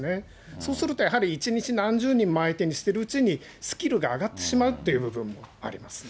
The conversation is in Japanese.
そうするとやはり１日何十人も相手にしてるうちに、スキルが上がってしまうっていう部分もありますね。